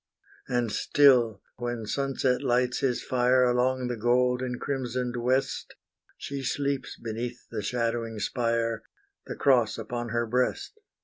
And still, when sunset lights his fire Along the gold and crimsoned west, She sleeps beneath the shadowing spire, The cross upon her breast.